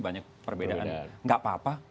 banyak perbedaan enggak apa apa